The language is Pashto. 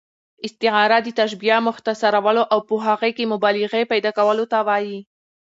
استعاره د تشبیه، مختصرولو او په هغې کښي مبالغې پیدا کولو ته وايي.